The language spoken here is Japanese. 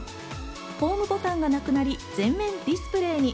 ホームボタンがなくなり、前面ディスプレーに。